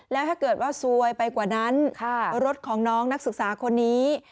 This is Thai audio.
แล้วถ้าเกิดว่าซวยไปกว่านั้นรถของน้องนักศึกษาคนนี้